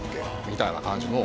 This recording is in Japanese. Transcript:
みたいな感じの